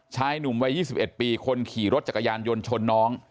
ชายหนุ่มวัย๒๑ปีคนขี่รถจักรยานยนต์ชนน้อง